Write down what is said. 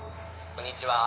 こんにちは。